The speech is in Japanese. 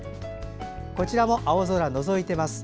こちらも青空がのぞいています。